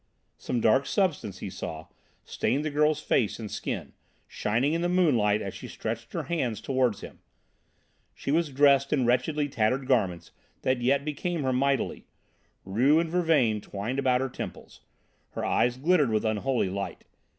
Some dark substance, he saw, stained the girl's face and skin, shining in the moonlight as she stretched her hands towards him; she was dressed in wretched tattered garments that yet became her mightily; rue and vervain twined about her temples; her eyes glittered with unholy light.